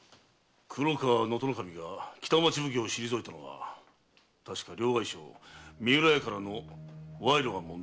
能登守が北町奉行を退いたのは確か両替商・三浦屋からの賄賂が問題であったな。